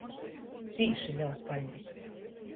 Cīši lels paļdis!